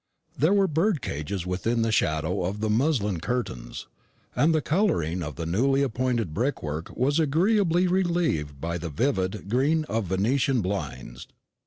There were birdcages within the shadow of the muslin curtains, and the colouring of the newly pointed brickwork was agreeably relieved by the vivid green of Venetian blinds.